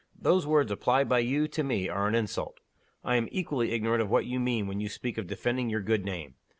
Those words applied by you to me are an insult. I am equally ignorant of what you mean when you speak of defending your good name.